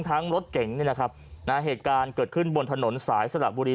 รถเก่งนี่นะครับนะฮะเหตุการณ์เกิดขึ้นบนถนนสายสระบุรี